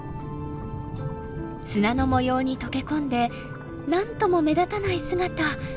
砂の模様に溶け込んでなんとも目立たない姿。